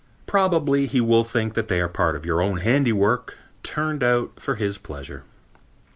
Probably he will think that they are part of your own handiwork turned out for his pleasure.